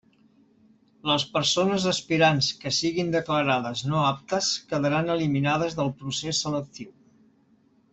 Les persones aspirants que siguin declarades no aptes quedaran eliminades del procés selectiu.